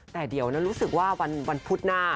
แต่เดี๋ยวรู้สึกว่าวันพุธหน้า